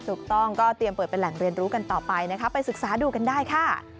ถูกต้องก็เตรียมเปิดเป็นแหล่งเรียนรู้กันต่อไปนะคะไปศึกษาดูกันได้ค่ะ